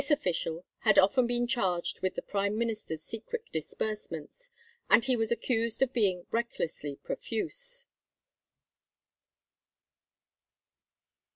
This official had been often charged with the Prime Minister's secret disbursements, and he was accused of being recklessly profuse.